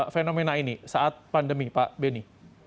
fenomena ini saat pandemi pak beni